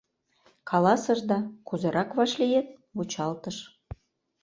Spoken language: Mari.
Каласыш да — кузерак вашлийыт? — вучалтыш.